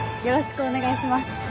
よろしくお願いします。